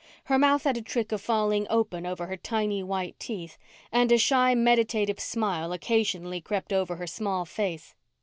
Her mouth had a trick of falling open over her tiny white teeth, and a shy, meditative smile occasionally crept over her small face.